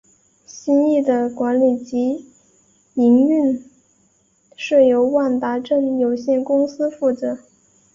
新翼的管理及营运是由万达镇有限公司负责。